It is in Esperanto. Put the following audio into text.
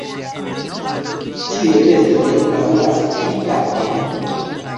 Tiuj festoj daŭras tri tagojn.